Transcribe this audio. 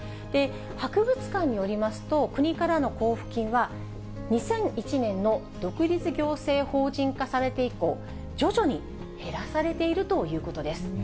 博物館によりますと、国からの交付金は、２００１年の独立行政法人化されて以降、徐々に減らされているということです。